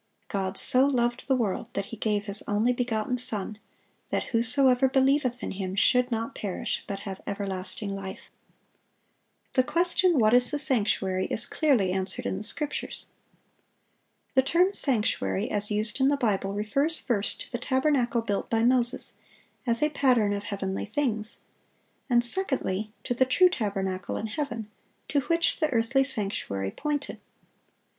"God so loved the world, that He gave His only begotten Son, that whosoever believeth in Him should not perish, but have everlasting life."(685) The question, What is the sanctuary? is clearly answered in the Scriptures. The term "sanctuary," as used in the Bible, refers, first, to the tabernacle built by Moses, as a pattern of heavenly things; and, secondly, to the "true tabernacle" in heaven, to which the earthly sanctuary pointed.